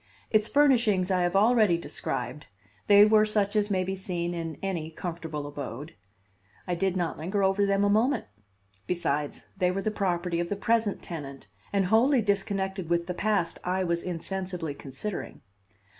Its furnishings I have already described; they were such as may be seen in any comfortable abode. I did not linger over them a moment; besides, they were the property of the present tenant, and wholly disconnected with the past I was insensibly considering.